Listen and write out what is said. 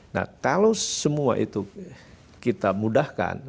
nah kalau semua itu kita mudahkan